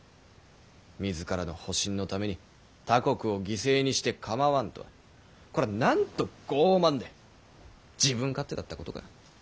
自らの保身のために他国を犠牲にして構わぬとはこれなんと傲慢で自分勝手だったことか。